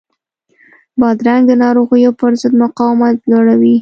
بادرنګ د ناروغیو پر ضد مقاومت لوړوي.